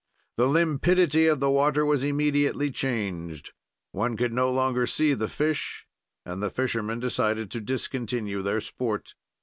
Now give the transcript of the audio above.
"The limpidity of the water was immediately changed; one could no longer see the fish, and the fishermen decided to discontinue their sport.